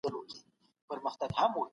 موږ د داستاني ادبیاتو ستاینه کوو.